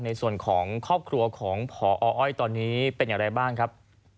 ในส่วนของครอบครัวของพออ้อยตอนนี้เป็นอย่างไรบ้างครับ